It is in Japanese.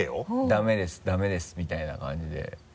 「ダメですダメです」みたいな感じで。